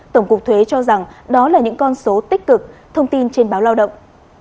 tổng cục thuế cho rằng đó là những con số tích cực thông tin trên báo lao động